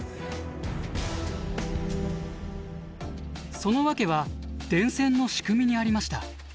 その訳は電線の仕組みにありました。